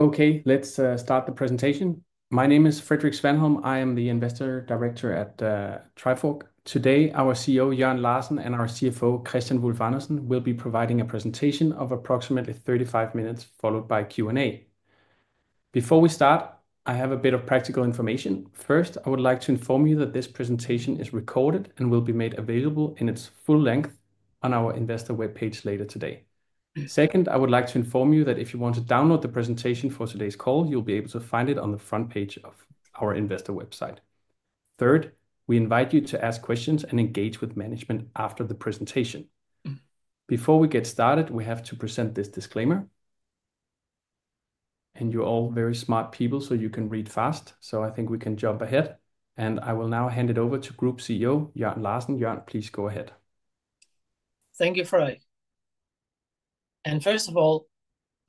Okay, let's start the presentation. My name is Frederik Svanholm. I am the Investor Relations Director at Trifork. Today, our CEO, Jørn Larsen, and our CFO, Kristian Wulf-Andersen, will be providing a presentation of approximately 35 minutes, followed by Q&A. Before we start, I have a bit of practical information. First, I would like to inform you that this presentation is recorded and will be made available in its full length on our investor web page later today. Second, I would like to inform you that if you want to download the presentation for today's call, you'll be able to find it on the front page of our investor website. Third, we invite you to ask questions and engage with management after the presentation. Before we get started, we have to present this disclaimer. You are all very smart people, so you can read fast. I think we can jump ahead. I will now hand it over to Group CEO, Jørn Larsen. Jørn, please go ahead. Thank you, Frederik. First of all,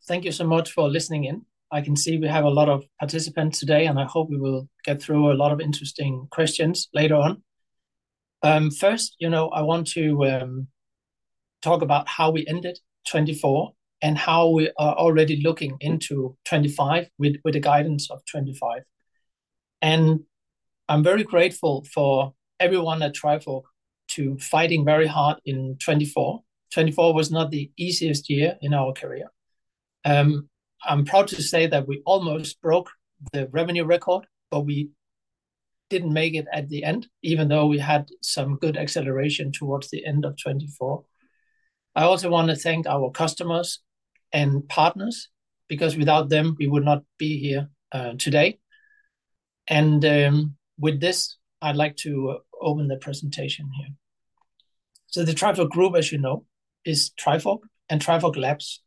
thank you so much for listening in. I can see we have a lot of participants today, and I hope we will get through a lot of interesting questions later on. First, you know, I want to talk about how we ended 2024 and how we are already looking into 2025 with the guidance of 2025. I am very grateful for everyone at Trifork for fighting very hard in 2024. 2024 was not the easiest year in our career. I am proud to say that we almost broke the revenue record, but we did not make it at the end, even though we had some good acceleration towards the end of 2024. I also want to thank our customers and partners because without them, we would not be here today. With this, I would like to open the presentation here. The Trifork Group, as you know, is Trifork and Trifork Labs.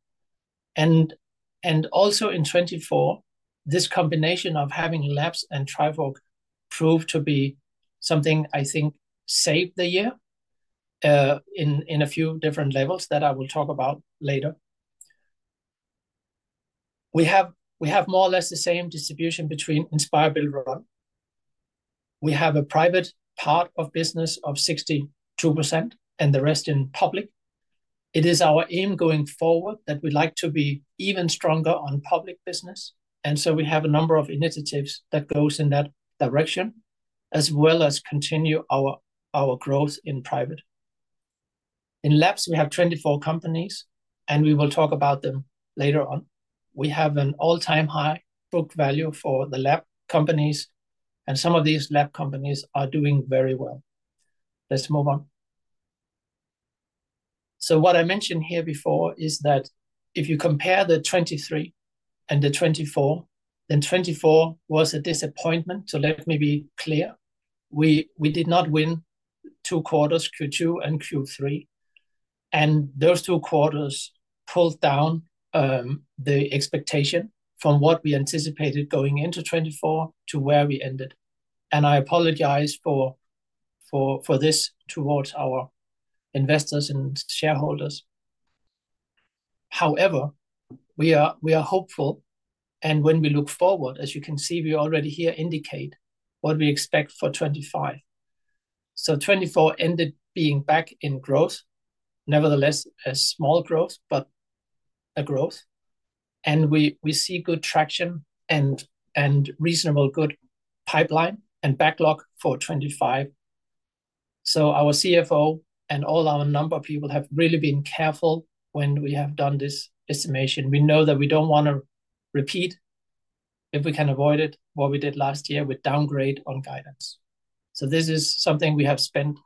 Also in 2024, this combination of having Labs and Trifork proved to be something I think saved the year in a few different levels that I will talk about later. We have more or less the same distribution between Inspire Build Run. We have a private part of business of 62% and the rest in public. It is our aim going forward that we'd like to be even stronger on public business. We have a number of initiatives that goes in that direction, as well as continue our growth in private. In Labs, we have 24 companies, and we will talk about them later on. We have an all-time high book value for the lab companies, and some of these lab companies are doing very well. Let's move on. What I mentioned here before is that if you compare the '23 and the '24, then '24 was a disappointment. Let me be clear. We did not win two quarters, Q2 and Q3. Those two quarters pulled down the expectation from what we anticipated going into '24 to where we ended. I apologize for this towards our investors and shareholders. However, we are hopeful. When we look forward, as you can see, we already here indicate what we expect for '25. '24 ended being back in growth, nevertheless a small growth, but a growth. We see good traction and reasonable good pipeline and backlog for '25. Our CFO and all our number of people have really been careful when we have done this estimation. We know that we do not want to repeat if we can avoid it what we did last year with downgrade on guidance. This is something we have spent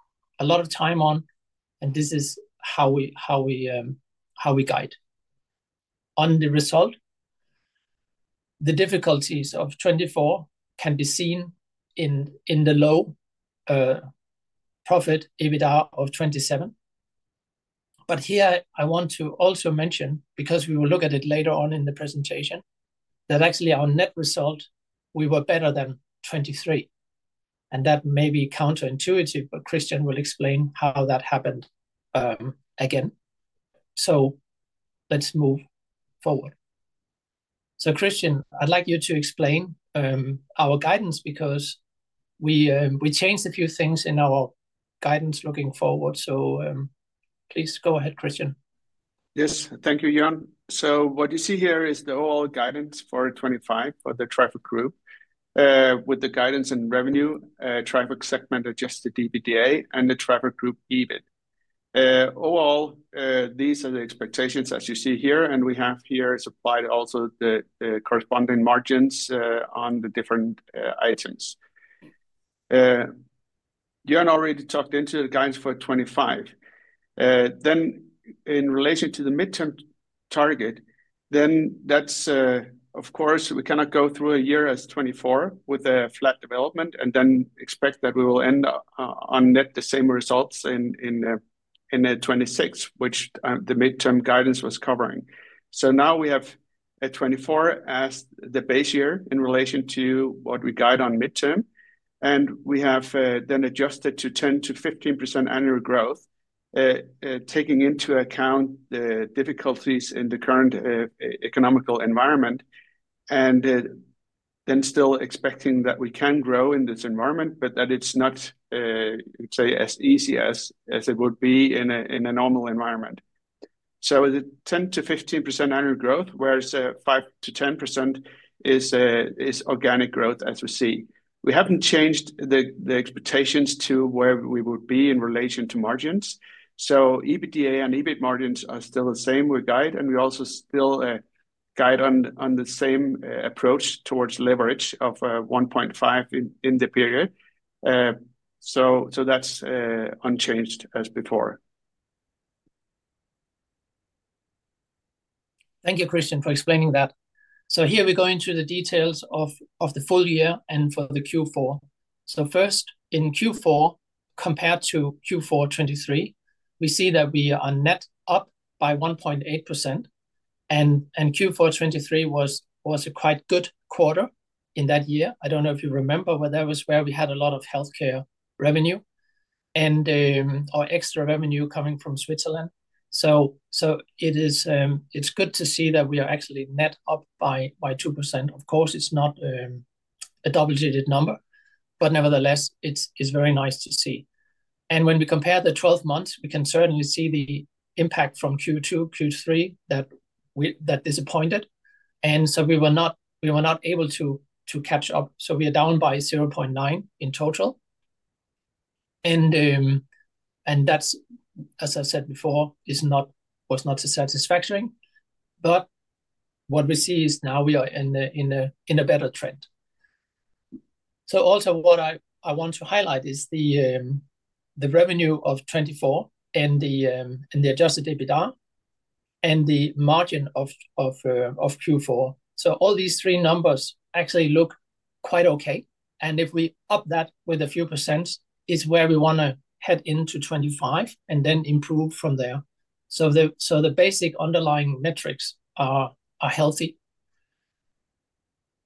a lot of time on, and this is how we guide. On the result, the difficulties of 2024 can be seen in the low profit EBITDA of 2027. Here I want to also mention, because we will look at it later on in the presentation, that actually our net result, we were better than 2023. That may be counterintuitive, but Kristian will explain how that happened again. Let us move forward. Kristian, I would like you to explain our guidance because we changed a few things in our guidance looking forward. Please go ahead, Kristian. Yes, thank you, Jørn. What you see here is the overall guidance for 2025 for the Trifork Group with the guidance and revenue, Trifork segment adjusted EBITDA, and the Trifork Group EBIT. Overall, these are the expectations as you see here. We have here supplied also the corresponding margins on the different items. Jørn already talked into the guidance for 2025. In relation to the midterm target, that is, of course, we cannot go through a year as 2024 with a flat development and then expect that we will end on net the same results in 2026, which the midterm guidance was covering. Now we have 2024 as the base year in relation to what we guide on midterm. We have then adjusted to 10%-15% annual growth, taking into account the difficulties in the current economical environment, and still expecting that we can grow in this environment, but that it is not, say, as easy as it would be in a normal environment. The 10%-15% annual growth, whereas 5%-10% is organic growth as we see. We have not changed the expectations to where we would be in relation to margins. EBITDA and EBIT margins are still the same we guide, and we also still guide on the same approach towards leverage of 1.5 in the period. That is unchanged as before. Thank you, Kristian, for explaining that. Here we go into the details of the full year and for the Q4. First, in Q4 compared to Q4 2023, we see that we are net up by 1.8%. Q4 2023 was a quite good quarter in that year. I do not know if you remember, but that was where we had a lot of healthcare revenue and our extra revenue coming from Switzerland. It is good to see that we are actually net up by 2%. Of course, it is not a double-digit number, but nevertheless, it is very nice to see. When we compare the 12 months, we can certainly see the impact from Q2, Q3 that disappointed. We were not able to catch up. We are down by 0.9 in total. That, as I said before, was not satisfactory. What we see is now we are in a better trend. Also, what I want to highlight is the revenue of 2024 and the adjusted EBITDA and the margin of Q4. All these three numbers actually look quite okay. If we up that with a few percent, it is where we want to head into 2025 and then improve from there. The basic underlying metrics are healthy.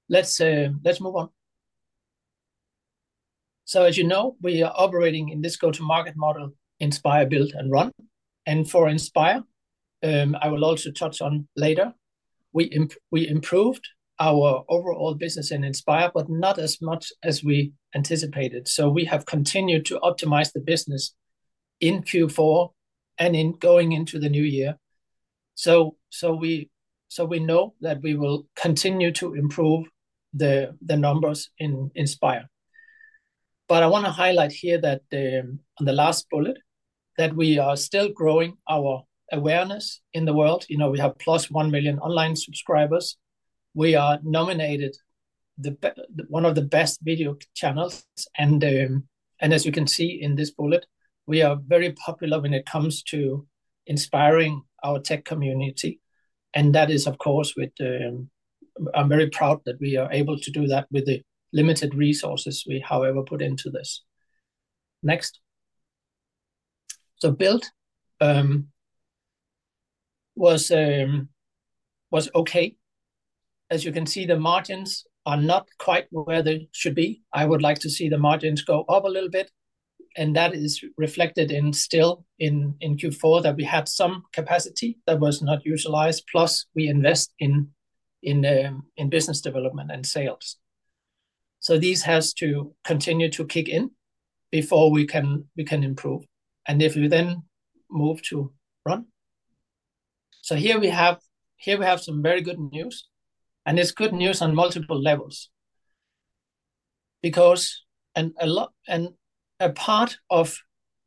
Let's move on. As you know, we are operating in this go-to-market model Inspire, Build, and Run. For Inspire, I will also touch on later, we improved our overall business in Inspire, but not as much as we anticipated. We have continued to optimize the business in Q4 and in going into the new year. We know that we will continue to improve the numbers in Inspire. I want to highlight here that on the last bullet, we are still growing our awareness in the world. You know, we have plus 1 million online subscribers. We are nominated one of the best video channels. As you can see in this bullet, we are very popular when it comes to inspiring our tech community. That is, of course, something I'm very proud of, that we are able to do that with the limited resources we, however, put into this. Next. Build was okay. As you can see, the margins are not quite where they should be. I would like to see the margins go up a little bit. That is reflected still in Q4, that we had some capacity that was not utilized. Plus, we invest in business development and sales. These have to continue to kick in before we can improve. If we then move to Run, here we have some very good news. It is good news on multiple levels, because a part of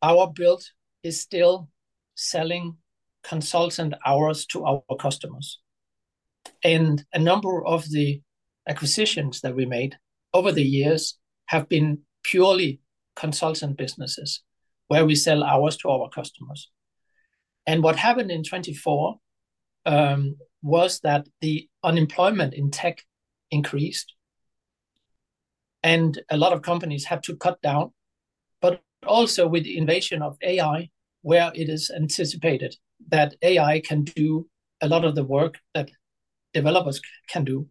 our build is still selling consultant hours to our customers. A number of the acquisitions that we made over the years have been purely consultant businesses where we sell hours to our customers. What happened in 2024 was that the unemployment in tech increased, and a lot of companies had to cut down. Also, with the invasion of AI, where it is anticipated that AI can do a lot of the work that developers can do,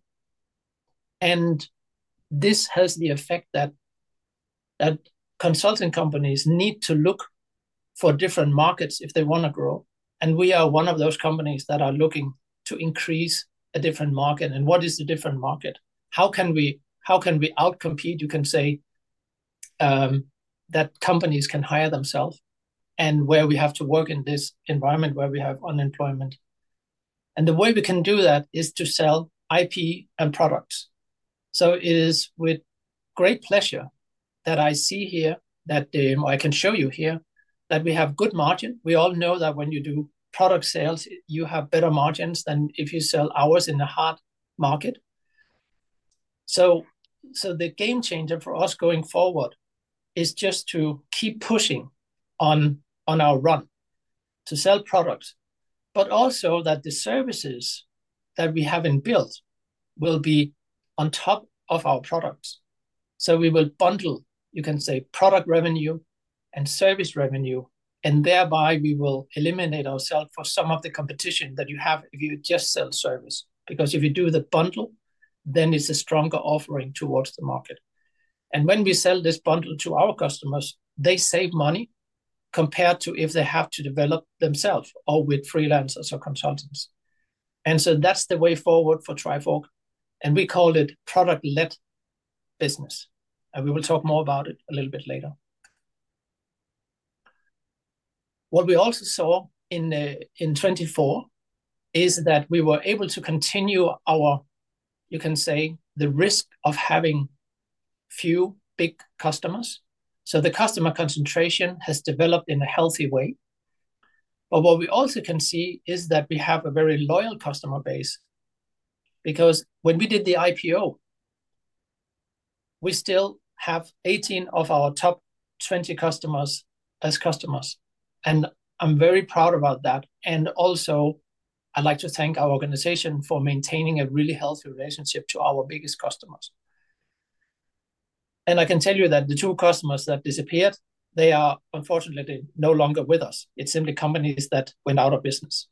this has the effect that consulting companies need to look for different markets if they want to grow. We are one of those companies that are looking to increase a different market. What is the different market? How can we outcompete, you can say, that companies can hire themselves and where we have to work in this environment where we have unemployment? The way we can do that is to sell IP and products. It is with great pleasure that I see here that I can show you here that we have good margin. We all know that when you do product sales, you have better margins than if you sell hours in a hard market. The game changer for us going forward is just to keep pushing on our run to sell products, but also that the services that we have in build will be on top of our products. We will bundle, you can say, product revenue and service revenue. Thereby, we will eliminate ourselves for some of the competition that you have if you just sell service. Because if you do the bundle, then it's a stronger offering towards the market. When we sell this bundle to our customers, they save money compared to if they have to develop themselves or with freelancers or consultants. That's the way forward for Trifork. We call it product-led business. We will talk more about it a little bit later. What we also saw in 2024 is that we were able to continue our, you can say, the risk of having few big customers. The customer concentration has developed in a healthy way. What we also can see is that we have a very loyal customer base. Because when we did the IPO, we still have 18 of our top 20 customers as customers. I'm very proud about that. I would like to thank our organization for maintaining a really healthy relationship to our biggest customers. I can tell you that the two customers that disappeared are unfortunately no longer with us. It's simply companies that went out of business.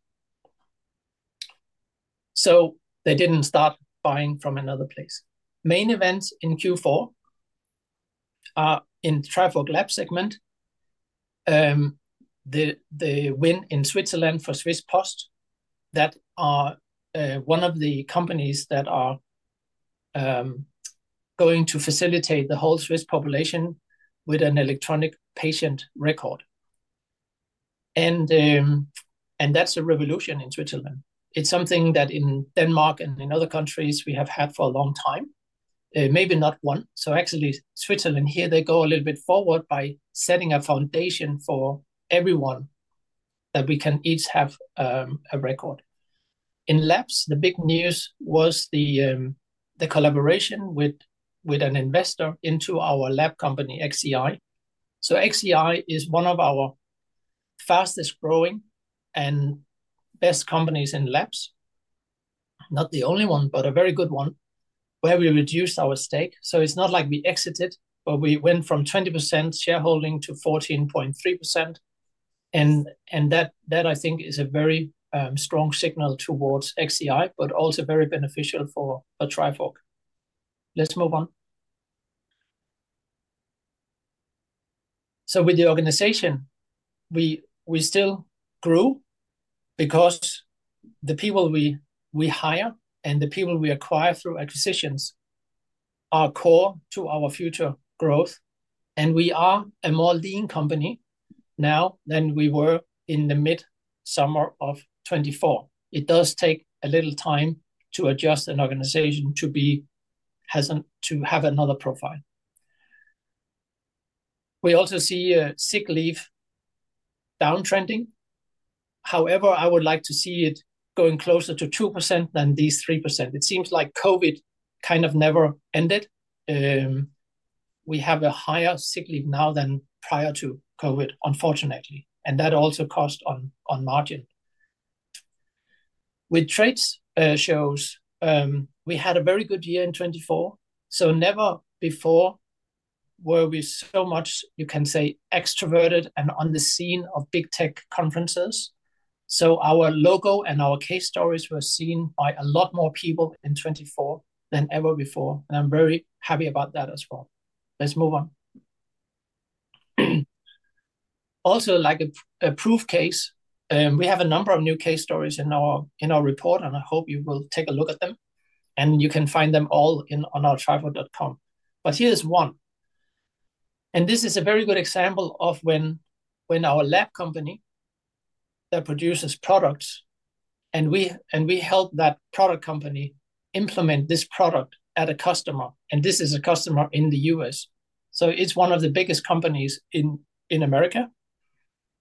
They didn't start buying from another place. Main events in Q4 are in the Trifork Labs segment. The win in Switzerland for Swiss Post is one of the companies that are going to facilitate the whole Swiss population with an electronic patient record. That's a revolution in Switzerland. It's something that in Denmark and in other countries, we have had for a long time. Maybe not one. Actually, Switzerland here goes a little bit forward by setting a foundation for everyone that we can each have a record. In labs, the big news was the collaboration with an investor into our lab company, XEI. XEI is one of our fastest growing and best companies in labs. Not the only one, but a very good one where we reduced our stake. It is not like we exited, but we went from 20% shareholding to 14.3%. That, I think, is a very strong signal towards XEI, but also very beneficial for Trifork. Let's move on. With the organization, we still grew because the people we hire and the people we acquire through acquisitions are core to our future growth. We are a more lean company now than we were in the mid-summer of 2024. It does take a little time to adjust an organization to have another profile. We also see sick leave downtrending. However, I would like to see it going closer to 2% than these 3%. It seems like COVID kind of never ended. We have a higher sick leave now than prior to COVID, unfortunately. That also cost on margin. With trade shows, we had a very good year in 2024. Never before were we so much, you can say, extroverted and on the scene of big tech conferences. Our logo and our case stories were seen by a lot more people in 2024 than ever before. I am very happy about that as well. Let's move on. Also, like a proof case, we have a number of new case stories in our report, and I hope you will take a look at them. You can find them all on our trifork.com. Here is one. This is a very good example of when our lab company produces products, and we help that product company implement this product at a customer. This is a customer in the U.S. It is one of the biggest companies in America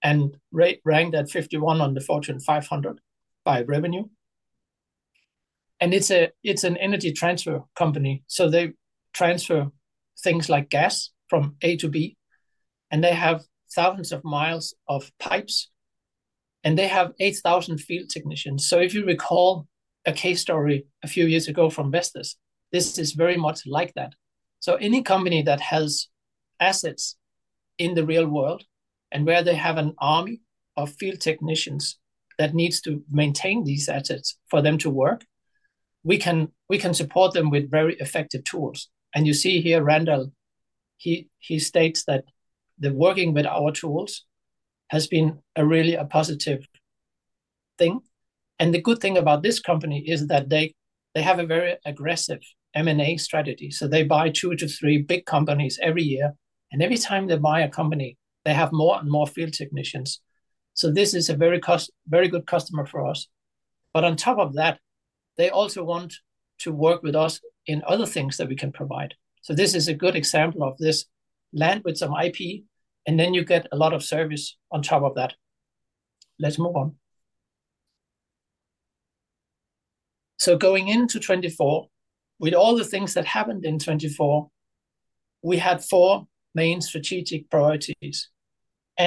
and ranked at 51 on the Fortune 500 by revenue. It is an energy transfer company. They transfer things like gas from A to B. They have thousands of miles of pipes. They have 8,000 field technicians. If you recall a case story a few years ago from Vestas, this is very much like that. Any company that has assets in the real world and where they have an army of field technicians that needs to maintain these assets for them to work, we can support them with very effective tools. You see here, Randall, he states that working with our tools has been really a positive thing. The good thing about this company is that they have a very aggressive M&A strategy. They buy two to three big companies every year. Every time they buy a company, they have more and more field technicians. This is a very good customer for us. On top of that, they also want to work with us in other things that we can provide. This is a good example of this land with some IP, and then you get a lot of service on top of that. Let's move on. Going into 2024, with all the things that happened in 2024, we had four main strategic priorities.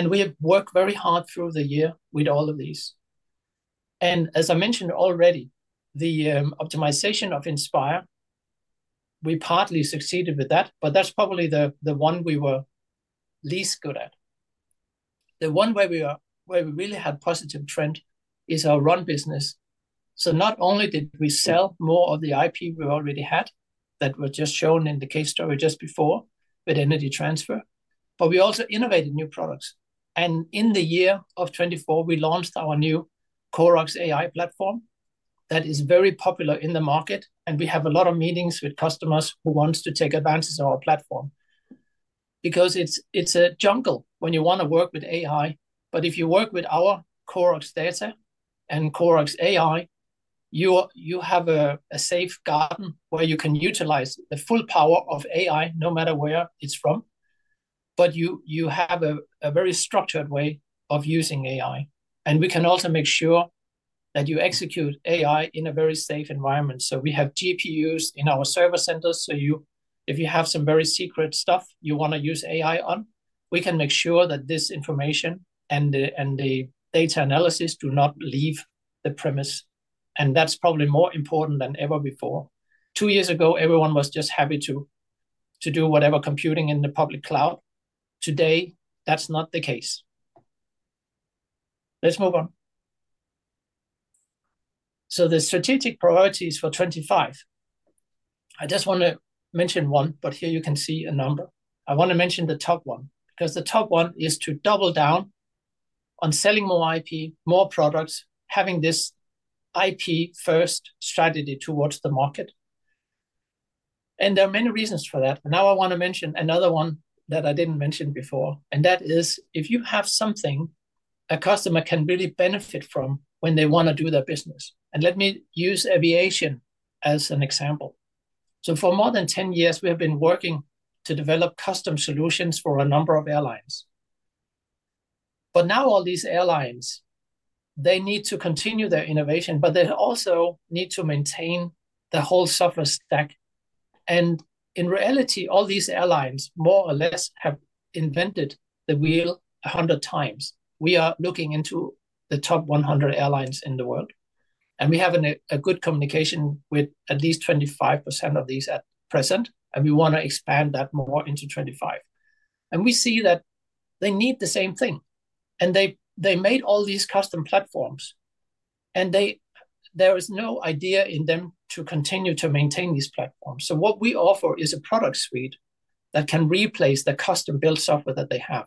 We have worked very hard through the year with all of these. As I mentioned already, the optimization of Inspire, we partly succeeded with that, but that's probably the one we were least good at. The one where we really had a positive trend is our Run business. Not only did we sell more of the IP we already had that was just shown in the case story just before with Energy Transfer, but we also innovated new products. In the year of 2024, we launched our new Corax AI platform that is very popular in the market. We have a lot of meetings with customers who want to take advantage of our platform because it's a jungle when you want to work with AI. If you work with our Corax data and Corax AI, you have a safe garden where you can utilize the full power of AI no matter where it's from. You have a very structured way of using AI. We can also make sure that you execute AI in a very safe environment. We have GPUs in our server centers. If you have some very secret stuff you want to use AI on, we can make sure that this information and the data analysis do not leave the premise. That is probably more important than ever before. Two years ago, everyone was just happy to do whatever computing in the public cloud. Today, that is not the case. Let's move on. The strategic priorities for 2025. I just want to mention one, but here you can see a number. I want to mention the top one because the top one is to double down on selling more IP, more products, having this IP-first strategy towards the market. There are many reasons for that. I want to mention another one that I did not mention before. That is if you have something a customer can really benefit from when they want to do their business. Let me use aviation as an example. For more than 10 years, we have been working to develop custom solutions for a number of airlines. Now all these airlines need to continue their innovation, but they also need to maintain the whole software stack. In reality, all these airlines more or less have invented the wheel 100 times. We are looking into the top 100 airlines in the world. We have a good communication with at least 25% of these at present. We want to expand that more into 2025. We see that they need the same thing. They made all these custom platforms. There is no idea in them to continue to maintain these platforms. What we offer is a product suite that can replace the custom-built software that they have.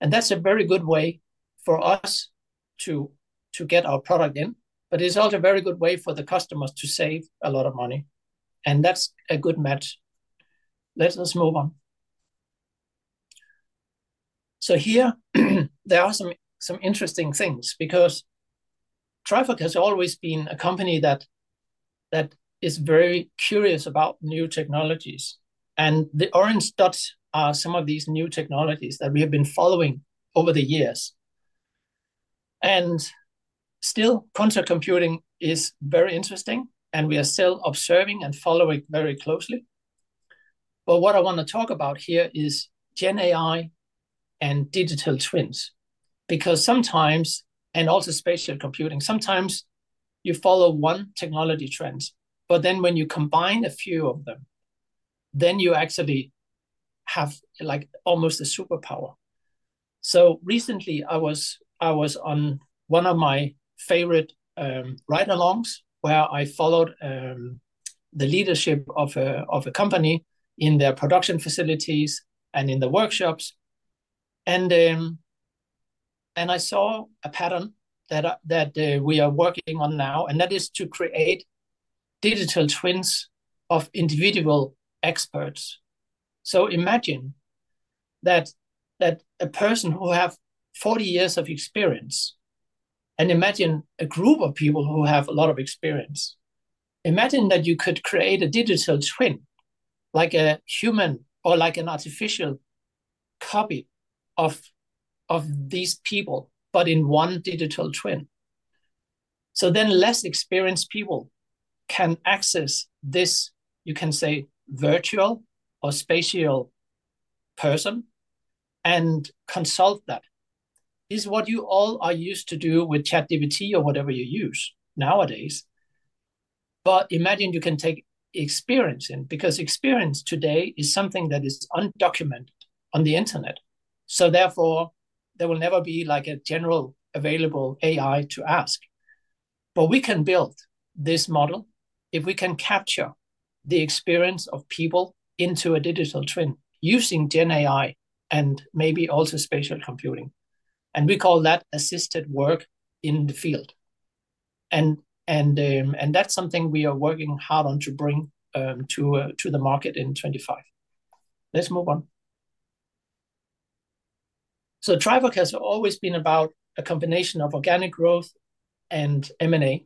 That is a very good way for us to get our product in. It is also a very good way for the customers to save a lot of money. That is a good match. Let us move on. Here, there are some interesting things because Trifork has always been a company that is very curious about new technologies. The orange dots are some of these new technologies that we have been following over the years. Still, quantum computing is very interesting. We are still observing and following very closely. What I want to talk about here is GenAI and digital twins. Sometimes, and also spatial computing, sometimes you follow one technology trend. When you combine a few of them, you actually have almost a superpower. Recently, I was on one of my favorite ride-alongs where I followed the leadership of a company in their production facilities and in the workshops. I saw a pattern that we are working on now. That is to create digital twins of individual experts. Imagine that a person who has 40 years of experience, and imagine a group of people who have a lot of experience. Imagine that you could create a digital twin, like a human or like an artificial copy of these people, but in one digital twin. Then less experienced people can access this, you can say, virtual or spatial person and consult that. It is what you all are used to do with ChatGPT or whatever you use nowadays. Imagine you can take experience in because experience today is something that is undocumented on the internet. Therefore, there will never be like a general available AI to ask. We can build this model if we can capture the experience of people into a digital twin using GenAI and maybe also spatial computing. We call that assisted work in the field. That is something we are working hard on to bring to the market in 2025. Let's move on. Trifork has always been about a combination of organic growth and M&A.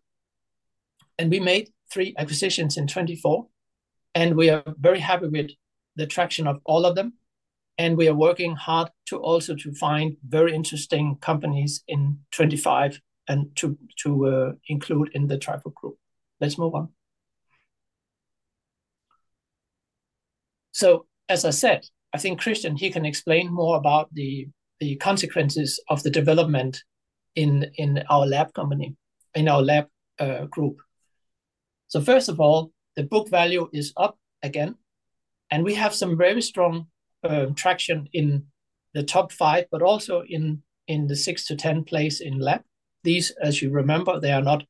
We made three acquisitions in 2024. We are very happy with the traction of all of them. We are working hard to also find very interesting companies in 2025 to include in the Trifork Group. Let's move on. As I said, I think Kristian, he can explain more about the consequences of the development in our lab company, in our lab group. First of all, the book value is up again. We have some very strong traction in the top five, but also in the six to ten place in lab. These, as you remember, they are not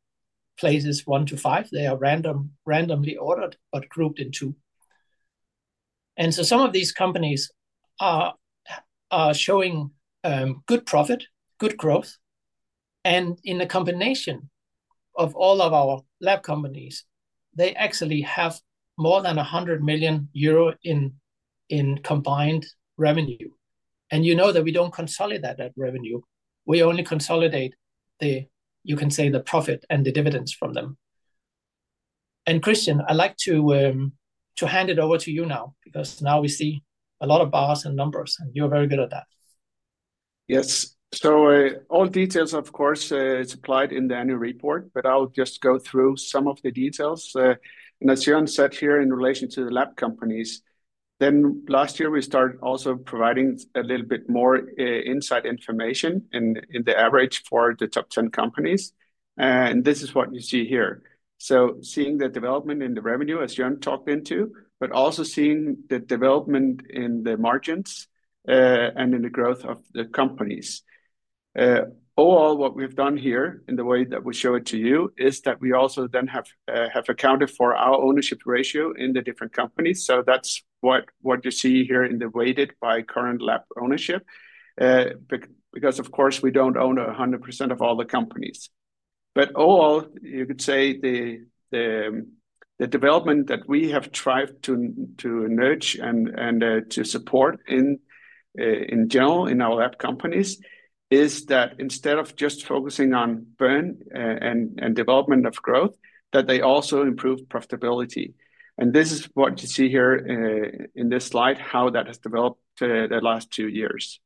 places one to five. They are randomly ordered, but grouped in two. Some of these companies are showing good profit, good growth. In the combination of all of our lab companies, they actually have more than 100 million euro in combined revenue. You know that we do not consolidate that revenue. We only consolidate, you can say, the profit and the dividends from them. Kristian, I'd like to hand it over to you now because now we see a lot of bars and numbers, and you're very good at that. Yes. All details, of course, are supplied in the annual report, but I'll just go through some of the details. As Jørn said here in relation to the lab companies, last year, we started also providing a little bit more inside information in the average for the top 10 companies. This is what you see here. Seeing the development in the revenue, as Jørn talked into, but also seeing the development in the margins and in the growth of the companies. Overall, what we've done here in the way that we show it to you is that we also then have accounted for our ownership ratio in the different companies. That is what you see here in the weighted by current lab ownership because, of course, we do not own 100% of all the companies. Overall, you could say the development that we have tried to nurture and to support in general in our lab companies is that instead of just focusing on burn and development of growth, that they also improve profitability. This is what you see here in this slide, how that has developed the last two years.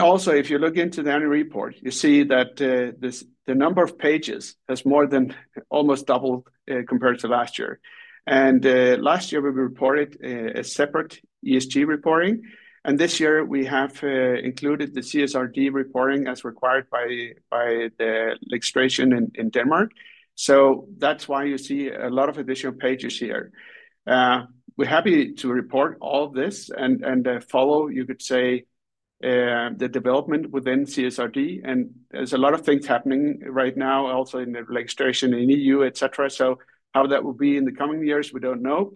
Also, if you look into the annual report, you see that the number of pages has more than almost doubled compared to last year. Last year, we reported a separate ESG reporting. This year, we have included the CSRD reporting as required by the legislation in Denmark. That is why you see a lot of additional pages here. We're happy to report all of this and follow, you could say, the development within CSRD. There's a lot of things happening right now, also in the legislation in the EU, etc. How that will be in the coming years, we don't know.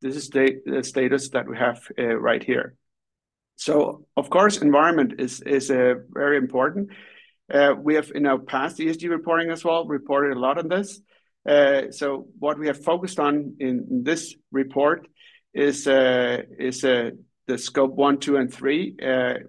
This is the status that we have right here. Of course, environment is very important. We have, in our past ESG reporting as well, reported a lot on this. What we have focused on in this report is the scope one, two, and three,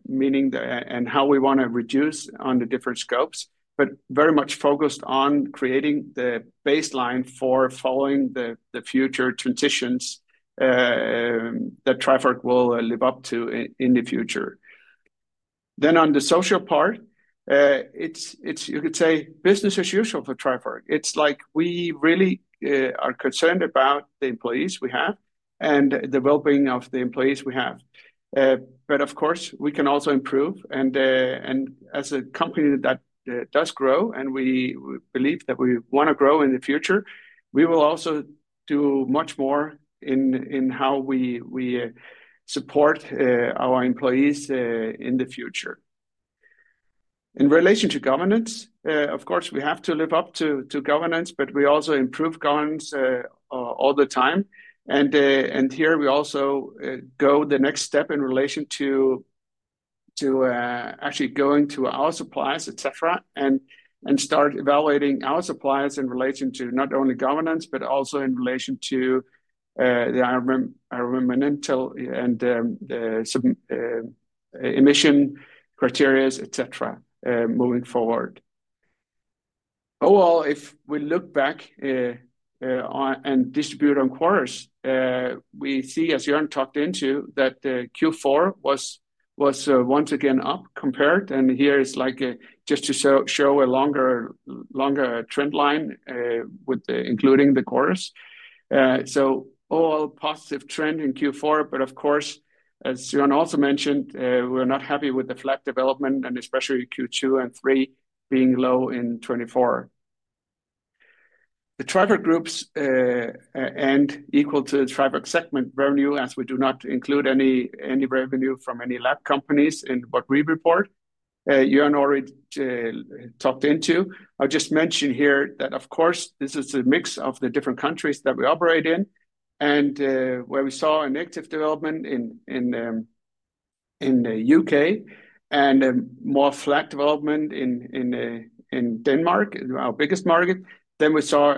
meaning and how we want to reduce on the different scopes, but very much focused on creating the baseline for following the future transitions that Trifork will live up to in the future. On the social part, you could say business as usual for Trifork. It's like we really are concerned about the employees we have and the well-being of the employees we have. Of course, we can also improve. As a company that does grow, and we believe that we want to grow in the future, we will also do much more in how we support our employees in the future. In relation to governance, of course, we have to live up to governance, but we also improve governance all the time. Here we also go the next step in relation to actually going to our suppliers, etc., and start evaluating our suppliers in relation to not only governance, but also in relation to the environmental and the emission criteria, etc., moving forward. Overall, if we look back and distribute on quarters, we see, as Jørn talked into, that Q4 was once again up compared. Here is just to show a longer trend line including the quarters. All positive trend in Q4. Of course, as Jørn also mentioned, we're not happy with the flat development and especially Q2 and Q3 being low in 2024. The Trifork Group's end equal to the Trifork segment revenue, as we do not include any revenue from any lab companies in what we report, Jørn already talked into. I'll just mention here that, of course, this is a mix of the different countries that we operate in and where we saw an active development in the U.K. and more flat development in Denmark, our biggest market. We saw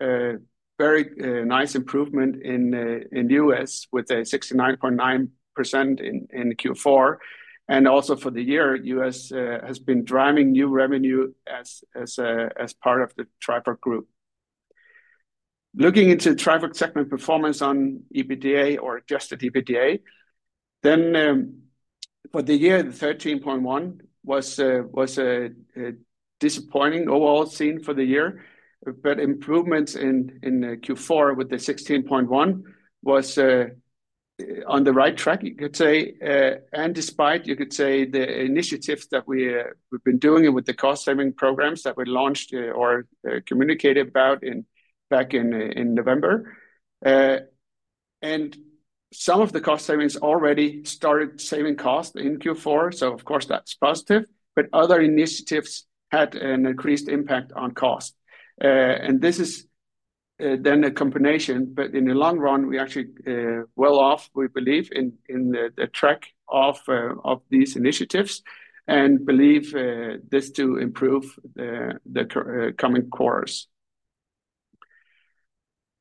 a very nice improvement in the U.S. with a 69.9% in Q4. Also for the year, U.S. has been driving new revenue as part of the Trifork Group. Looking into Trifork segment performance on EBITDA or adjusted EBITDA, then for the year, the 13.1 was disappointing overall seen for the year. Improvements in Q4 with the 16.1 was on the right track, you could say. Despite, you could say, the initiatives that we've been doing with the cost-saving programs that were launched or communicated about back in November. Some of the cost savings already started saving costs in Q4. Of course, that's positive. Other initiatives had an increased impact on cost. This is then a combination. In the long run, we actually well off, we believe, in the track of these initiatives and believe this to improve the coming quarters.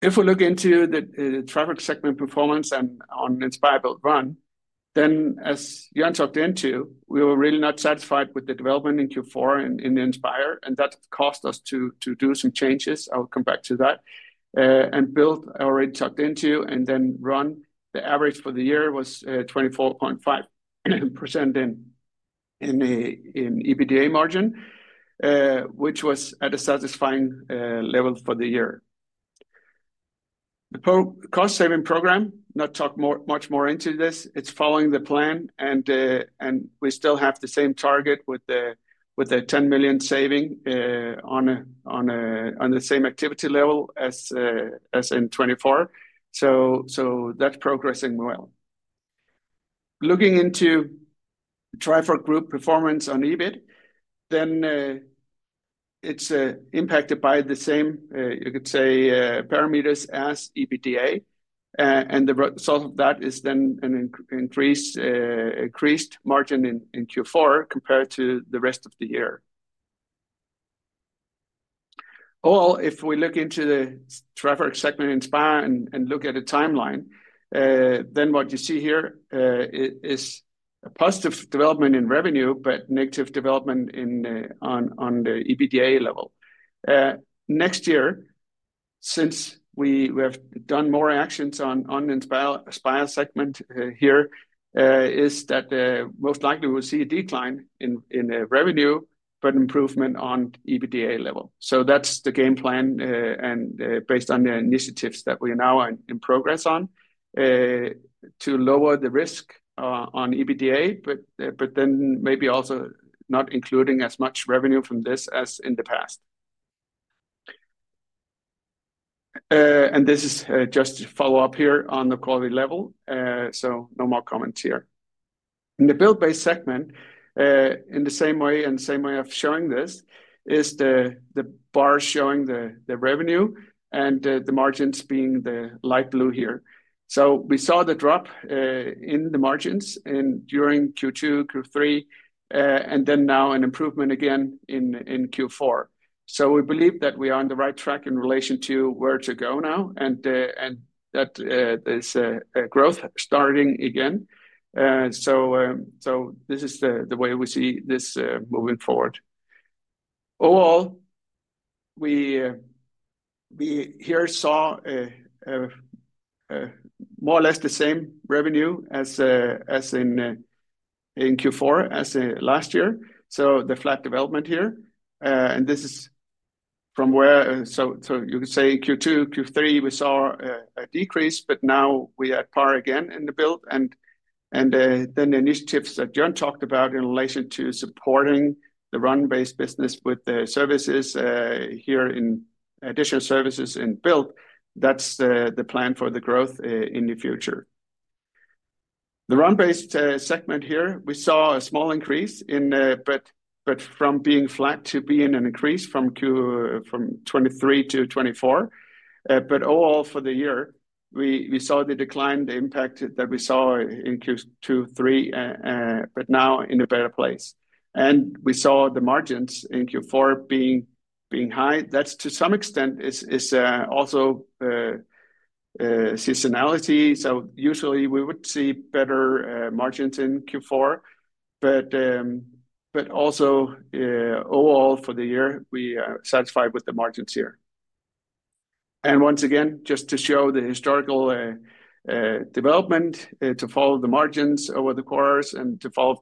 If we look into the Trifork segment performance and on Inspire Build Run, then as Jørn talked into, we were really not satisfied with the development in Q4 in Inspire. That cost us to do some changes. I'll come back to that. Build already talked into and then Run, the average for the year was 24.5% in EBITDA margin, which was at a satisfying level for the year. The cost-saving program, not talk much more into this. It's following the plan. We still have the same target with the 10 million saving on the same activity level as in 2024. That's progressing well. Looking into Trifork Group performance on EBIT, then it's impacted by the same, you could say, parameters as EBITDA. The result of that is then an increased margin in Q4 compared to the rest of the year. If we look into the Trifork segment Inspire and look at a timeline, what you see here is a positive development in revenue, but negative development on the EBITDA level. Next year, since we have done more actions on the Inspire segment here, is that most likely we'll see a decline in revenue, but improvement on EBITDA level. That's the game plan based on the initiatives that we now are in progress on to lower the risk on EBITDA, but then maybe also not including as much revenue from this as in the past. This is just to follow up here on the quality level. No more comments here. In the Build-based segment, in the same way and same way of showing this, is the bar showing the revenue and the margins being the light blue here. We saw the drop in the margins during Q2, Q3, and now an improvement again in Q4. We believe that we are on the right track in relation to where to go now and that this growth is starting again. This is the way we see this moving forward. Overall, we here saw more or less the same revenue as in Q4 as last year, so the flat development here. This is from where, you could say, Q2, Q3, we saw a decrease, but now we are at par again in the Build. The initiatives that Jørn talked about in relation to supporting the run-based business with the services here, in additional services in Build, that's the plan for the growth in the future. The run-based segment here, we saw a small increase in, but from being flat to being an increase from 2023 to 2024. Overall for the year, we saw the decline, the impact that we saw in Q2, Q3, but now in a better place. We saw the margins in Q4 being high. That to some extent is also seasonality. Usually we would see better margins in Q4. Also overall for the year, we are satisfied with the margins here. Once again, just to show the historical development to follow the margins over the quarters and to follow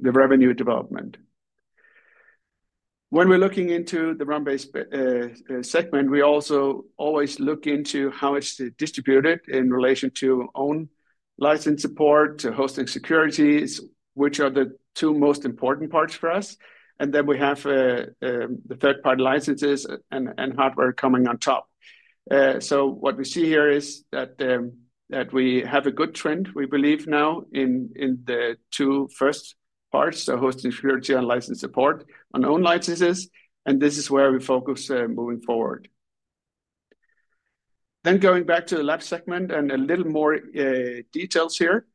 the revenue development. When we're looking into the run-based segment, we also always look into how it's distributed in relation to own license support, to hosting securities, which are the two most important parts for us. Then we have the third-party licenses and hardware coming on top. What we see here is that we have a good trend, we believe now in the two first parts, hosting security and license support on own licenses. This is where we focus moving forward. Going back to the lab segment and a little more details here.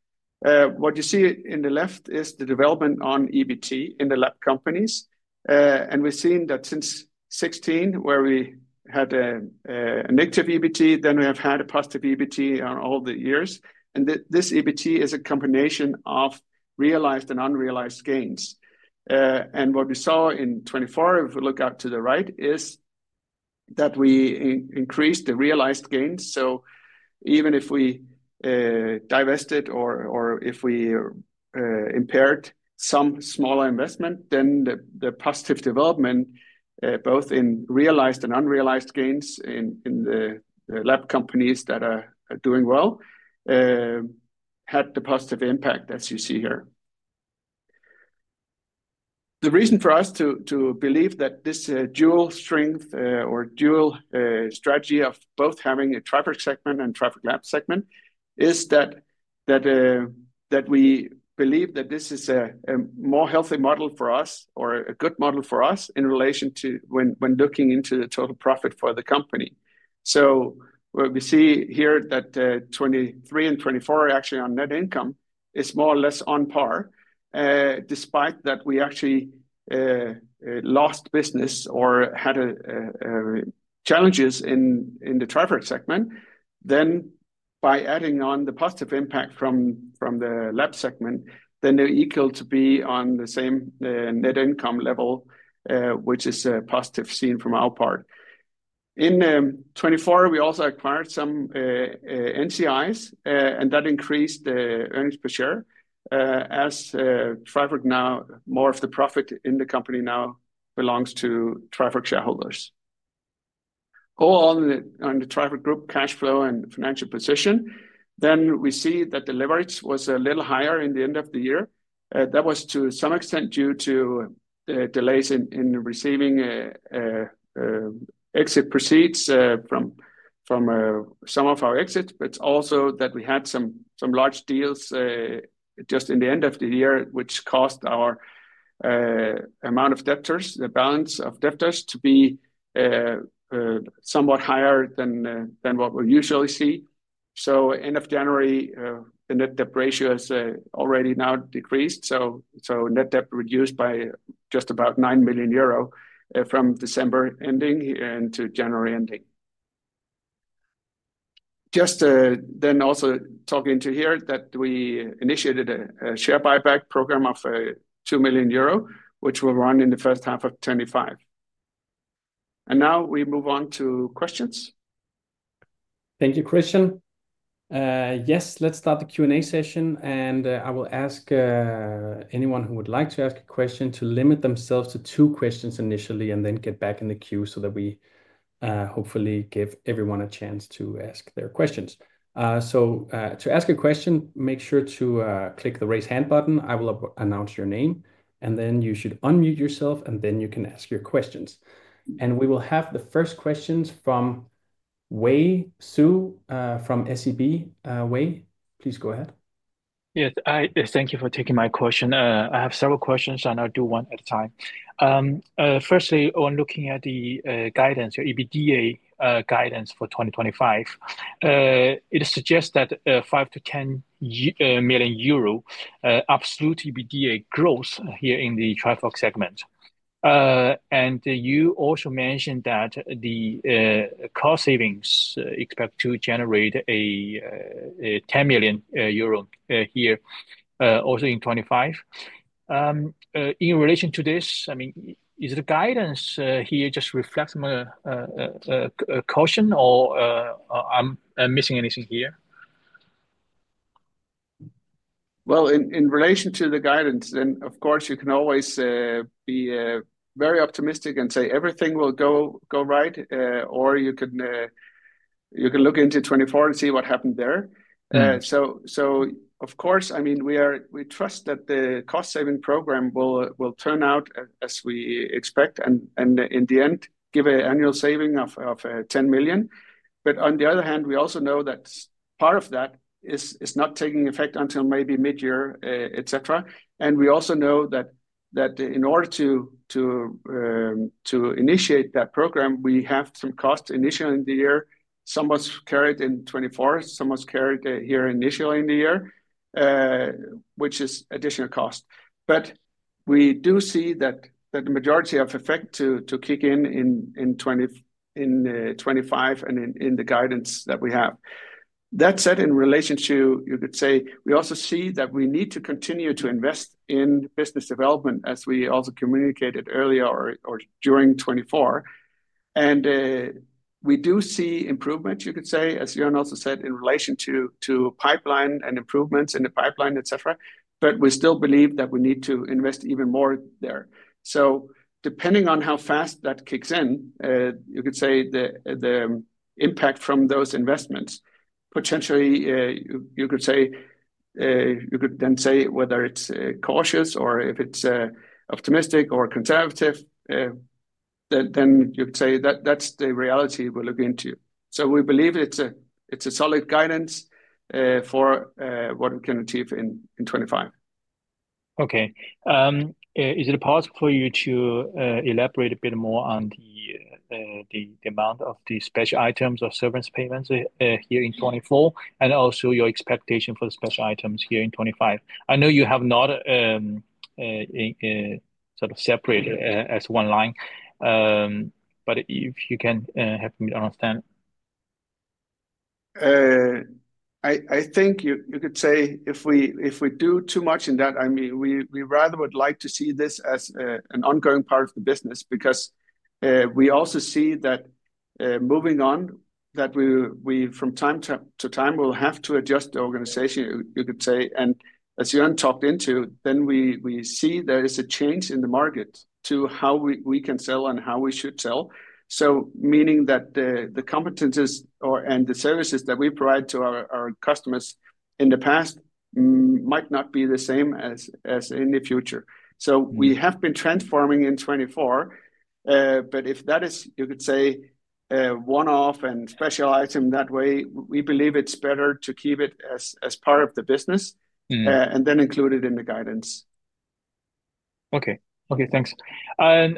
What you see in the left is the development on EBIT in the lab companies. We've seen that since 2016, where we had an active EBIT, we have had a positive EBIT in all the years. This EBIT is a combination of realized and unrealized gains. What we saw in 2024, if we look out to the right, is that we increased the realized gains. Even if we divested or if we impaired some smaller investment, then the positive development, both in realized and unrealized gains in the lab companies that are doing well, had the positive impact, as you see here. The reason for us to believe that this dual strength or dual strategy of both having a Trifork segment and Trifork Labs segment is that we believe that this is a more healthy model for us or a good model for us in relation to when looking into the total profit for the company. What we see here is that 2023 and 2024 actually on net income is more or less on par. Despite that we actually lost business or had challenges in the Trifork segment, then by adding on the positive impact from the Labs segment, then they're equal to be on the same net income level, which is positive seen from our part. In 2024, we also acquired some NCIs, and that increased the earnings per share as Trifork now more of the profit in the company now belongs to Trifork shareholders. Overall on the Trifork Group cash flow and financial position, then we see that the leverage was a little higher in the end of the year. That was to some extent due to delays in receiving exit proceeds from some of our exits, but also that we had some large deals just in the end of the year, which caused our amount of debtors, the balance of debtors to be somewhat higher than what we usually see. End of January, the net debt ratio has already now decreased. Net debt reduced by just about 9 million euro from December ending into January ending. Just then also talking to here that we initiated a share buyback program of 2 million euro, which will run in the first half of 2025. Now we move on to questions. Thank you, Kristian. Yes, let's start the Q&A session. I will ask anyone who would like to ask a question to limit themselves to two questions initially and then get back in the queue so that we hopefully give everyone a chance to ask their questions. To ask a question, make sure to click the raise hand button. I will announce your name, and then you should unmute yourself, and then you can ask your questions. We will have the first questions from Wei Su from SEB. Wei, please go ahead. Yes, thank you for taking my question. I have several questions, and I'll do one at a time. Firstly, on looking at the guidance, EBITDA guidance for 2025, it suggests that 5 million to 10 million euro absolute EBITDA growth here in the Trifork segment. You also mentioned that the cost savings expect to generate a 10 million euro here also in 2025. In relation to this, I mean, is the guidance here just reflecting a caution or am I missing anything here? In relation to the guidance, then of course, you can always be very optimistic and say everything will go right, or you can look into 2024 and see what happened there. Of course, I mean, we trust that the cost saving program will turn out as we expect and in the end give an annual saving of 10 million. On the other hand, we also know that part of that is not taking effect until maybe mid-year, etc. We also know that in order to initiate that program, we have some costs initial in the year. Some was carried in 2024. Some was carried here initial in the year, which is additional cost. We do see that the majority of effect to kick in in 2025 and in the guidance that we have. That said, in relation to, you could say, we also see that we need to continue to invest in business development as we also communicated earlier or during 2024. We do see improvements, you could say, as Jørn also said, in relation to pipeline and improvements in the pipeline, etc. We still believe that we need to invest even more there. Depending on how fast that kicks in, you could say the impact from those investments, potentially, you could say, you could then say whether it's cautious or if it's optimistic or conservative, you could say that that's the reality we're looking into. We believe it's a solid guidance for what we can achieve in 2025. Okay. Is it possible for you to elaborate a bit more on the amount of the special items or severance payments here in 2024 and also your expectation for the special items here in 2025? I know you have not sort of separated as one line, but if you can help me to understand. I think you could say if we do too much in that, I mean, we rather would like to see this as an ongoing part of the business because we also see that moving on, that from time to time, we'll have to adjust the organization, you could say. As Jørn talked into, we see there is a change in the market to how we can sell and how we should sell. Meaning that the competencies and the services that we provide to our customers in the past might not be the same as in the future. We have been transforming in 2024, but if that is, you could say, one-off and special item that way, we believe it's better to keep it as part of the business and then include it in the guidance. Okay. Okay. Thanks. The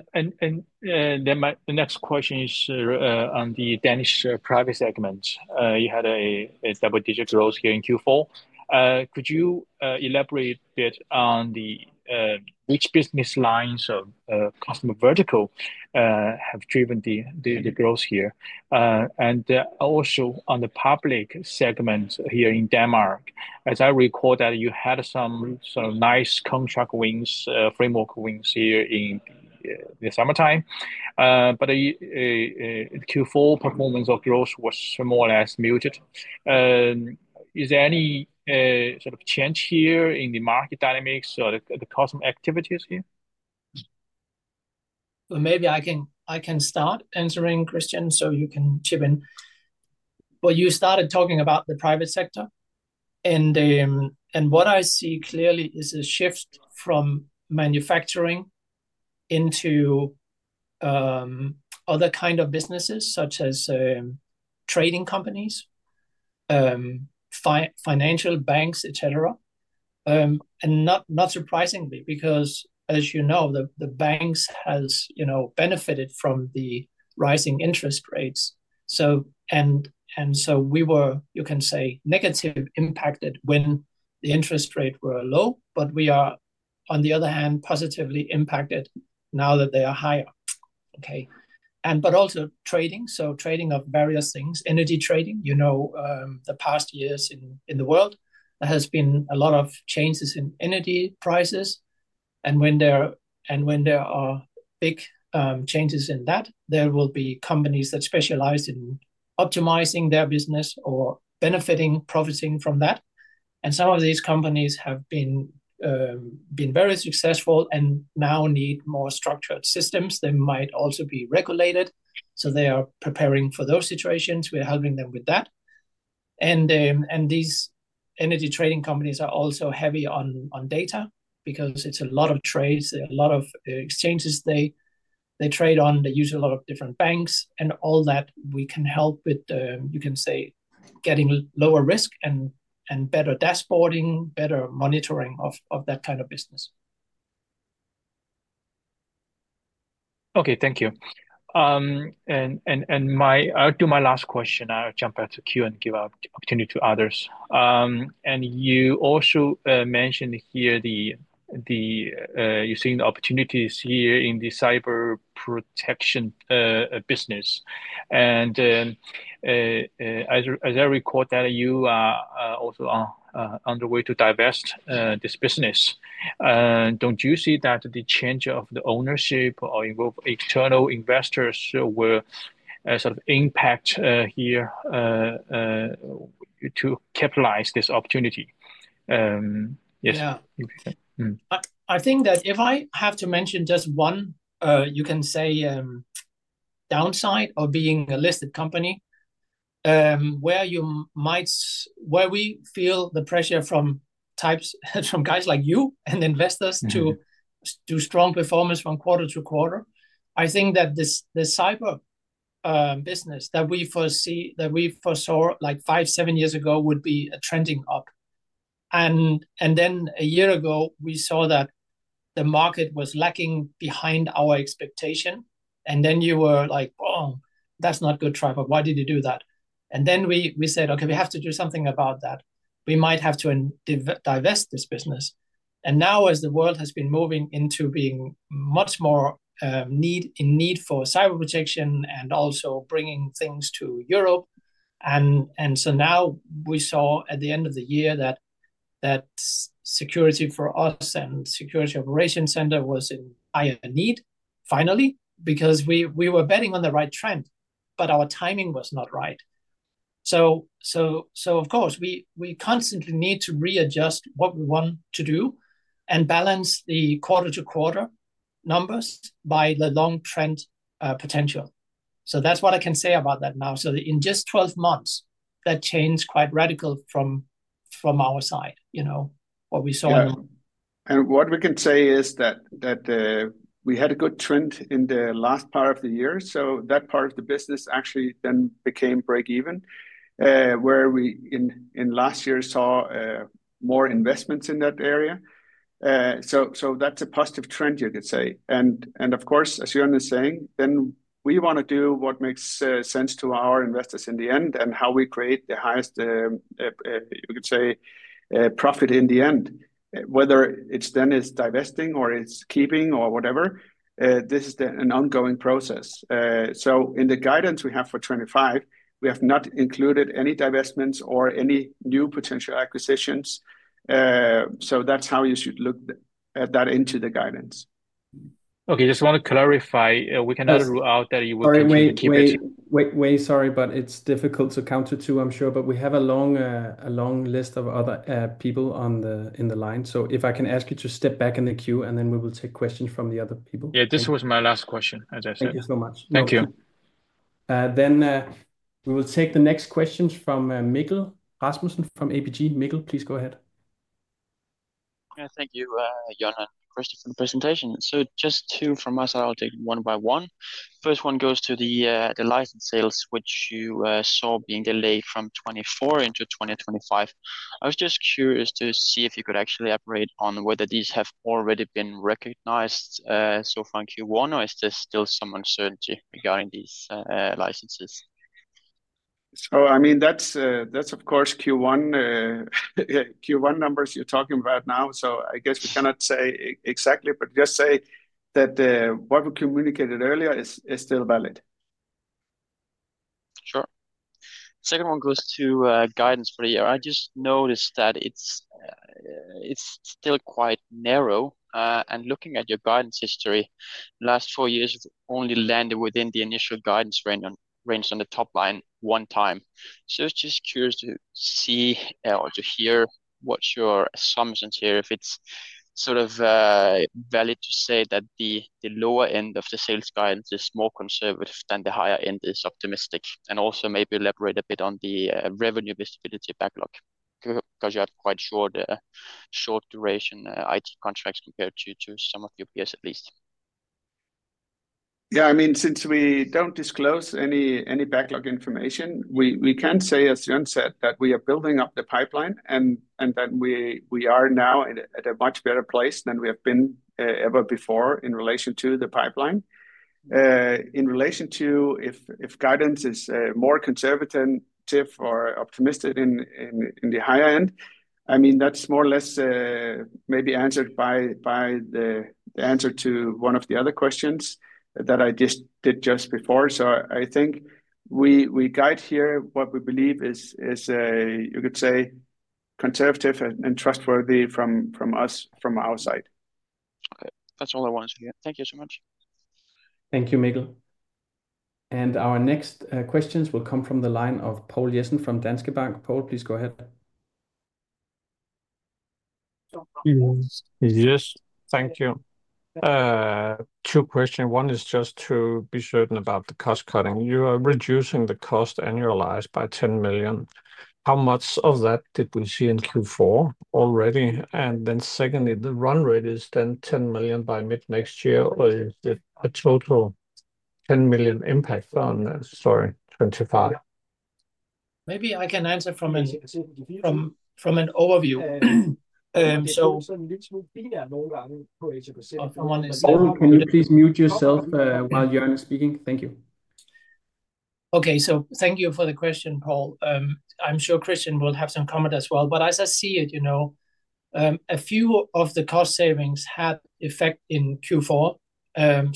next question is on the Danish private segment. You had double-digit growth here in Q4. Could you elaborate a bit on which business lines or customer vertical have driven the growth here? Also, on the public segment here in Denmark, as I recall, you had some nice contract wins, framework wins here in the summertime, but Q4 performance of growth was more or less muted. Is there any sort of change here in the market dynamics or the customer activities here? Maybe I can start answering, Kristian, so you can chip in. You started talking about the private sector. What I see clearly is a shift from manufacturing into other kinds of businesses such as trading companies, financial banks, etc. Not surprisingly, because as you know, the banks have benefited from the rising interest rates. We were, you can say, negatively impacted when the interest rates were low, but we are, on the other hand, positively impacted now that they are higher. Okay. Also, trading, so trading of various things, energy trading, you know, the past years in the world, there has been a lot of changes in energy prices. When there are big changes in that, there will be companies that specialize in optimizing their business or benefiting, profiting from that. Some of these companies have been very successful and now need more structured systems. They might also be regulated. They are preparing for those situations. We're helping them with that. These energy trading companies are also heavy on data because it's a lot of trades, a lot of exchanges they trade on. They use a lot of different banks. All that, we can help with, you can say, getting lower risk and better dashboarding, better monitoring of that kind of business. Okay. Thank you. To my last question, I'll jump out of the queue and give opportunity to others. You also mentioned here you're seeing the opportunities here in the cyber protection business. As I recall, you are also on the way to divest this business. Don't you see that the change of the ownership or involve external investors will sort of impact here to capitalize this opportunity? Yes. Yeah. I think that if I have to mention just one, you can say, downside of being a listed company where we feel the pressure from guys like you and investors to do strong performance from quarter to quarter, I think that the cyber business that we foresaw like five, seven years ago would be trending up. A year ago, we saw that the market was lacking behind our expectation. You were like, "Oh, that's not good, Trifork. Why did you do that?" We said, "Okay, we have to do something about that. We might have to divest this business." Now, as the world has been moving into being much more in need for cyber protection and also bringing things to Europe. Now we saw at the end of the year that security for us and security operations center was in higher need, finally, because we were betting on the right trend, but our timing was not right. Of course, we constantly need to readjust what we want to do and balance the quarter-to-quarter numbers by the long-trend potential. That is what I can say about that now. In just 12 months, that changed quite radical from our side, what we saw. What we can say is that we had a good trend in the last part of the year. That part of the business actually then became break-even, where we in last year saw more investments in that area. That is a positive trend, you could say. Of course, as Jørn is saying, we want to do what makes sense to our investors in the end and how we create the highest, you could say, profit in the end, whether it is divesting or it is keeping or whatever. This is an ongoing process. In the guidance we have for 2025, we have not included any divestments or any new potential acquisitions. That is how you should look at that in the guidance. Okay. Just want to clarify. We cannot rule out that you will continue to keep it. Wei, sorry, but it is difficult to counter too, I am sure, but we have a long list of other people on the line. If I can ask you to step back in the queue, then we will take questions from the other people. Yeah, this was my last question, as I said. Thank you so much. Thank you. We will take the next questions from Mikkel Rasmussen from APG. Mikkel, please go ahead. Yeah, thank you, Jørn, and Kristian for the presentation. Just two from us, I'll take one by one. First one goes to the license sales, which you saw being delayed from 2024 into 2025. I was just curious to see if you could actually operate on whether these have already been recognized so far in Q1, or is there still some uncertainty regarding these licenses? I mean, that's, of course, Q1 numbers you're talking about now. I guess we cannot say exactly, but just say that what we communicated earlier is still valid. Sure. Second one goes to guidance for the year. I just noticed that it's still quite narrow. Looking at your guidance history, last four years only landed within the initial guidance range on the top line one time. I was just curious to see or to hear what your assumptions here, if it's sort of valid to say that the lower end of the sales guidance is more conservative than the higher end is optimistic, and also maybe elaborate a bit on the revenue visibility backlog because you had quite short duration IT contracts compared to some of your peers, at least. Yeah, I mean, since we don't disclose any backlog information, we can say, as Jørn said, that we are building up the pipeline, and that we are now at a much better place than we have been ever before in relation to the pipeline. In relation to if guidance is more conservative or optimistic in the higher end, I mean, that's more or less maybe answered by the answer to one of the other questions that I did just before. I think we guide here what we believe is, you could say, conservative and trustworthy from us, from our side. Okay. That's all I wanted to hear. Thank you so much. Thank you, Mikkel. Our next questions will come from the line of Poul Jessen from Danske Bank. Poul, please go ahead. Yes. Thank you. Two questions. One is just to be certain about the cost cutting. You are reducing the cost annualized by 10 million. How much of that did we see in Q4 already? Secondly, the run rate is then 10 million by mid-next year, or is it a total 10 million impact on, sorry, 2025? Maybe I can answer from an overview. Please mute yourself while Jørn is speaking. Thank you. Thank you for the question, Poul. I'm sure Kristian will have some comment as well. As I see it, a few of the cost savings had effect in Q4,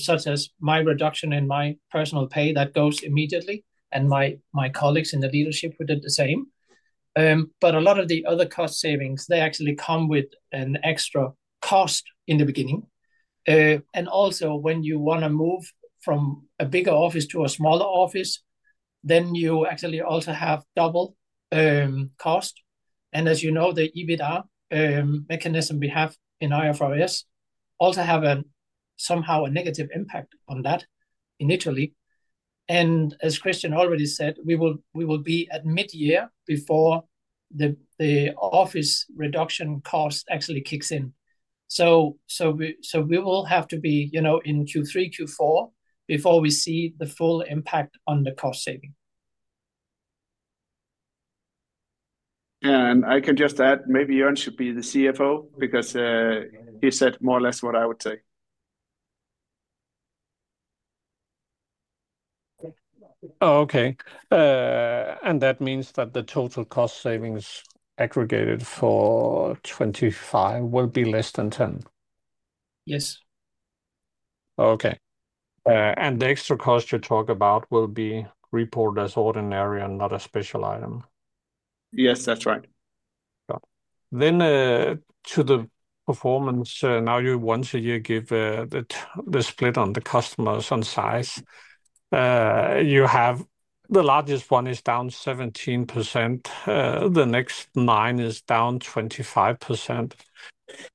such as my reduction in my personal pay that goes immediately, and my colleagues in the leadership would do the same. A lot of the other cost savings actually come with an extra cost in the beginning. Also, when you want to move from a bigger office to a smaller office, you actually also have double cost. As you know, the EBITDA mechanism we have in IFRS also has somehow a negative impact on that initially. As Kristian already said, we will be at mid-year before the office reduction cost actually kicks in. We will have to be in Q3, Q4 before we see the full impact on the cost saving. Yeah. I can just add, maybe Jørn should be the CFO because he said more or less what I would say. Okay. That means that the total cost savings aggregated for 2025 will be less than 10%. Yes. Okay. The extra cost you talk about will be reported as ordinary and not a special item? Yes, that's right. To the performance, now you once a year give the split on the customers on size. The largest one is down 17%. The next nine is down 25%.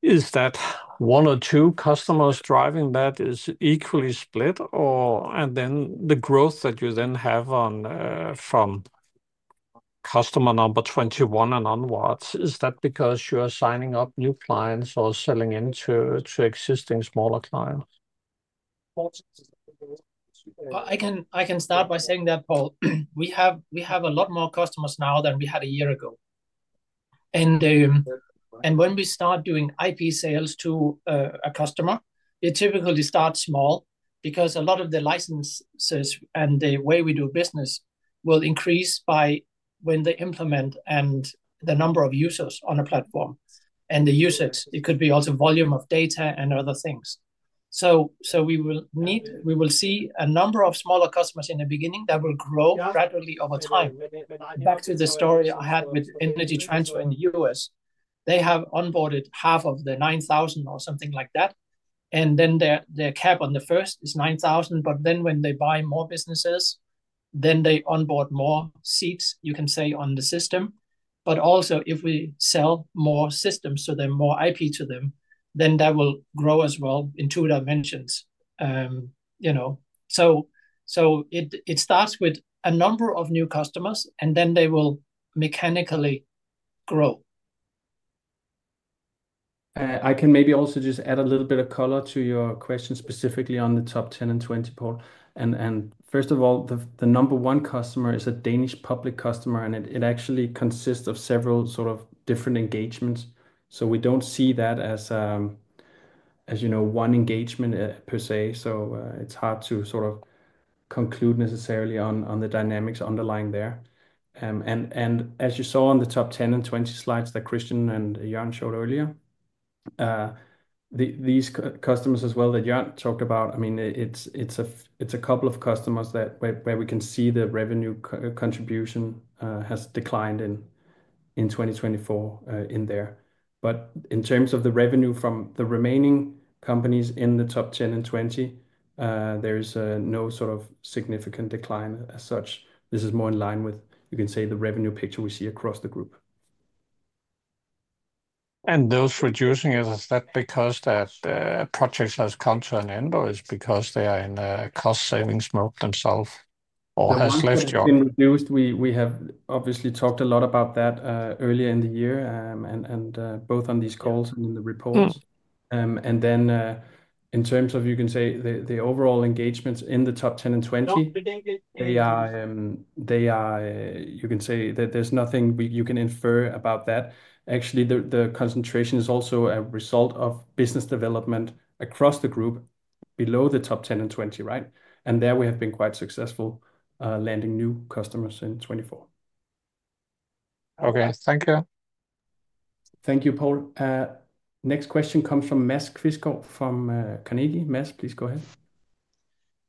Is that one or two customers driving that, is it equally split? The growth that you then have from customer number 21 and onwards, is that because you are signing up new clients or selling into existing smaller clients? I can start by saying that, Poul. We have a lot more customers now than we had a year ago. When we start doing IP sales to a customer, it typically starts small because a lot of the licenses and the way we do business will increase by when they implement and the number of users on a platform. The users, it could be also volume of data and other things. We will see a number of smaller customers in the beginning that will grow gradually over time. Back to the story I had with Energy Transfer in the U.S., they have onboarded half of the 9,000 or something like that. Their cap on the first is 9,000. When they buy more businesses, they onboard more seats, you can say, on the system. If we sell more systems to them, more IP to them, then that will grow as well in two dimensions. It starts with a number of new customers, and then they will mechanically grow. I can maybe also just add a little bit of color to your question specifically on the top 10 and 20 poll. First of all, the number one customer is a Danish public customer, and it actually consists of several sort of different engagements. We do not see that as one engagement per se. It is hard to sort of conclude necessarily on the dynamics underlying there. As you saw on the top 10 and 20 slides that Kristian and Jørn showed earlier, these customers as well that Jørn talked about, I mean, it is a couple of customers where we can see the revenue contribution has declined in 2024 in there. In terms of the revenue from the remaining companies in the top 10 and 20, there is no sort of significant decline as such. This is more in line with, you can say, the revenue picture we see across the group. Those reducing, is that because that project has come to an end, or is it because they are in a cost savings mode themselves or has left Jørn? We have obviously talked a lot about that earlier in the year, both on these calls and in the reports. In terms of, you can say, the overall engagements in the top 10 and 20, you can say that there's nothing you can infer about that. Actually, the concentration is also a result of business development across the group below the top 10 and 20, right? There we have been quite successful landing new customers in 2024. Okay. Thank you. Thank you, Poul. Next question comes from Mats Kvieskov from Carnegie. Mats, please go ahead.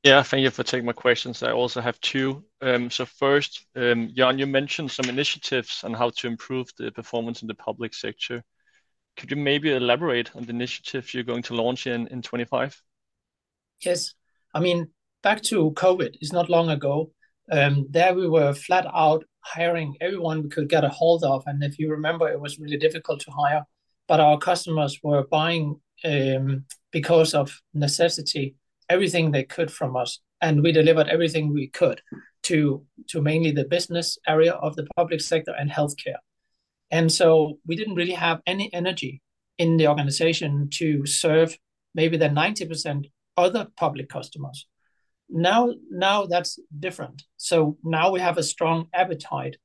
Yeah, thank you for taking my questions. I also have two. First, Jørn, you mentioned some initiatives on how to improve the performance in the public sector. Could you maybe elaborate on the initiatives you're going to launch in 2025? Yes. I mean, back to COVID, it's not long ago. There we were flat out hiring everyone we could get a hold of. If you remember, it was really difficult to hire. Our customers were buying because of necessity, everything they could from us. We delivered everything we could to mainly the business area of the public sector and healthcare. We did not really have any energy in the organization to serve maybe the 90% other public customers. Now that is different. Now we have a strong appetite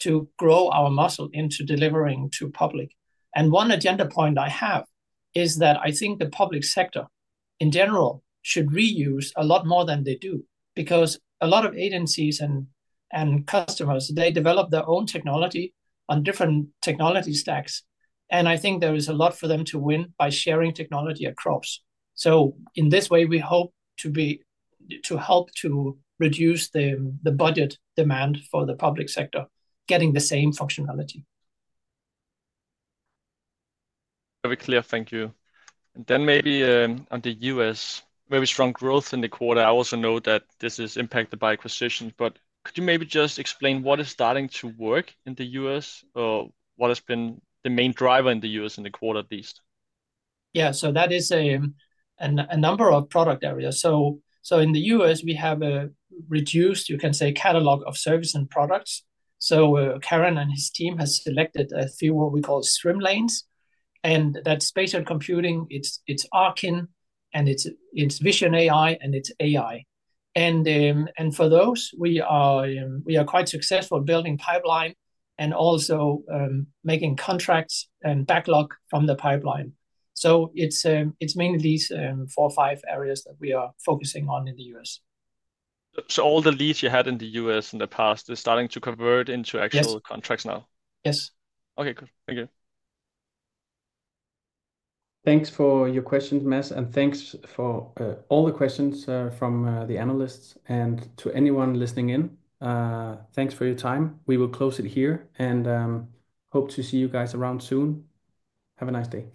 to grow our muscle into delivering to public. One agenda point I have is that I think the public sector in general should reuse a lot more than they do because a lot of agencies and customers develop their own technology on different technology stacks. I think there is a lot for them to win by sharing technology across. In this way, we hope to help to reduce the budget demand for the public sector, getting the same functionality. Very clear. Thank you. Maybe on the U.S., very strong growth in the quarter. I also know that this is impacted by acquisitions. Could you maybe just explain what is starting to work in the U.S. or what has been the main driver in the U.S. in the quarter at least? Yeah. That is a number of product areas. In the U.S., we have a reduced, you can say, catalog of services and products. Karan and his team have selected a few what we call swim lanes. That is spatial computing, Arkyn, Vision AI, and AI. For those, we are quite successful building pipeline and also making contracts and backlog from the pipeline. It is mainly these four or five areas that we are focusing on in the U.S. All the leads you had in the U.S. in the past are starting to convert into actual contracts now? Yes. Okay. Good. Thank you. Thanks for your questions, Mats. Thanks for all the questions from the analysts. To anyone listening in, thanks for your time. We will close it here and hope to see you guys around soon. Have a nice day.